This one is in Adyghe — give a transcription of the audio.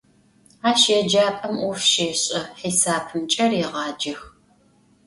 Aş yêcap'em 'of şêş'e, hisapımç'e rêğacex.